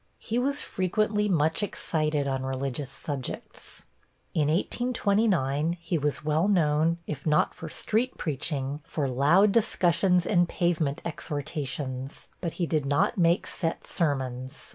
He was frequently much excited on religious subjects. In 1829, he was well known, if not for street preaching, for loud discussions and pavement exhortations, but he did not make set sermons.